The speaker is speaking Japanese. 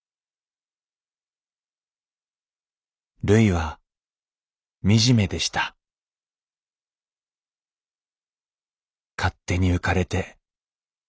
るいは惨めでした勝手に浮かれて。